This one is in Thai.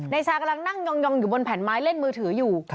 นายชากำลังนั่งยองอยู่บนแผ่นไม้เล่นมือถืออยู่